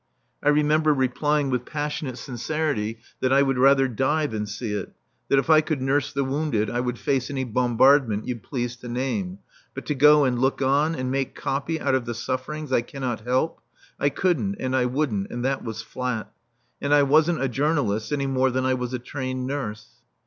I remember replying with passionate sincerity that I would rather die than see it; that if I could nurse the wounded I would face any bombardment you please to name; but to go and look on and make copy out of the sufferings I cannot help I couldn't and I wouldn't, and that was flat. And I wasn't a journalist any more than I was a trained nurse.